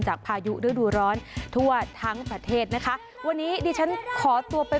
พายุฤดูร้อนทั่วทั้งประเทศนะคะวันนี้ดิฉันขอตัวไป